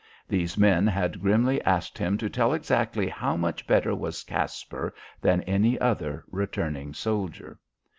These men had grimly asked him to tell exactly how much better was Caspar than any other returning soldier.